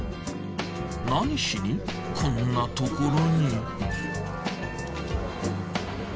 何しにこんなところに？